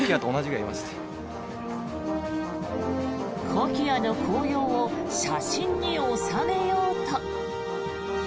コキアの紅葉を写真に収めようと。